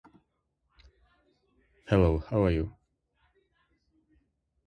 It is the headquarters of Durham County Council.